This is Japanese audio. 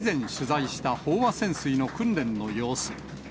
これは、私たちが以前取材した飽和潜水の訓練の様子。